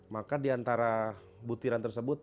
maka diantara butiran tersebut